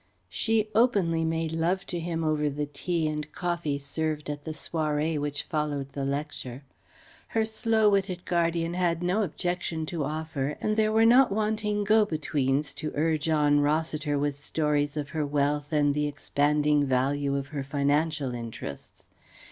She openly made love to him over the tea and coffee served at the "soirée" which followed the lecture. Her slow witted guardian had no objection to offer; and there were not wanting go betweens to urge on Rossiter with stories of her wealth and the expanding value of her financial interests.